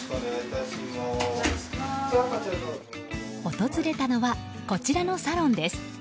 訪れたのはこちらのサロンです。